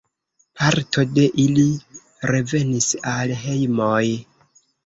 Parto de ili revenis al hejmoj.